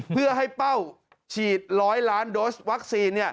เพื่อให้เป้าฉีด๑๐๐ล้านโดสวัคซีน